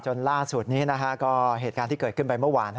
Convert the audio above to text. ล่าสุดนี้ก็เหตุการณ์ที่เกิดขึ้นไปเมื่อวาน